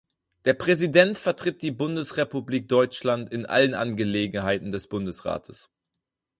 Der Präsident vertritt die Bundesrepublik Deutschland in allen Angelegenheiten des Bundesrates.